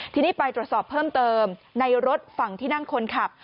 ทีนี้ไปตรวจสอบเพิ่มเติมในรถฝั่งที่นั่งคนขับ